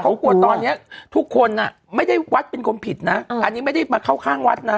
เขากลัวตอนนี้ทุกคนน่ะไม่ได้วัดเป็นคนผิดนะอันนี้ไม่ได้มาเข้าข้างวัดนะ